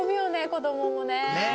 子供もね。